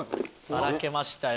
バラけましたよ。